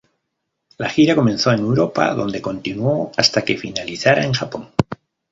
La gira comenzó en Europa, donde continuó hasta que finalizara en Japón.